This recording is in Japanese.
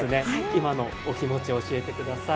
今のお気持ちを教えてください。